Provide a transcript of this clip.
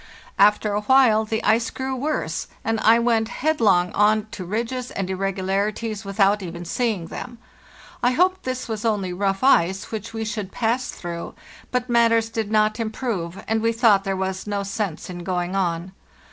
After a while the ice grew worse, and I went headlong on to ridges and irregularities without even seeing them. I hoped this was only rough ice which we should pass through, but matters did not improve, and we thought there was no sense in going on.